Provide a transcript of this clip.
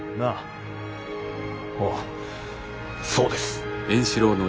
あぁそうです。